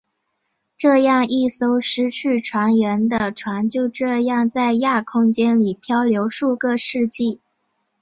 这样一艘失去船员的船就这样在亚空间里飘流数个世纪。